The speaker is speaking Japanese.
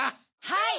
はい。